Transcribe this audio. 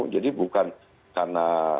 jadi bukan karena